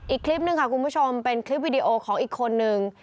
อีกคลิปหนึ่งค่ะคุณผู้ชมเป็นคลิปคอร์นหนึ่ง